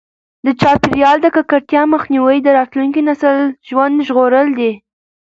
د چاپیریال د ککړتیا مخنیوی د راتلونکي نسل ژوند ژغورل دي.